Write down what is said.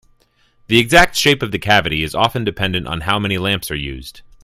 The exact shape of the cavity is often dependent on how many lamps are used.